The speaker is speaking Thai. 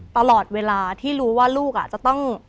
ตลอดเวลาที่รู้ว่าลูกจะต้อง